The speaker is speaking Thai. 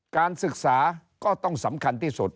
การศึกษาก็ต้องสำคัญที่สุด